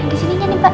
disininya nih pak